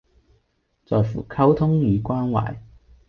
在乎溝通與關懷